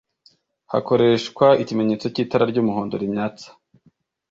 hakoreshwa ikimenyetso cy'itara ry'umuhondo rimyatsa